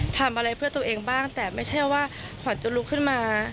ทำอะไรเพื่อตัวเองบ้างแต่ไม่ใช่ว่าขวัญจะลุกขึ้นมา